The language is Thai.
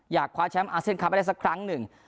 คว้าแชมป์อาเซียนคลับไปได้สักครั้งหนึ่ง